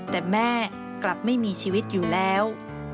แต่แม่กลับไม่มีชีวิตอยู่แล้ว